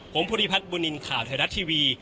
ผมพุทธิพัฒน์บุนินข่าวไทยรัชทีวี